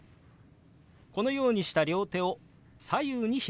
このようにした両手を左右に開きます。